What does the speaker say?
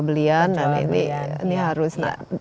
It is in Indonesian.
belian dan ini harus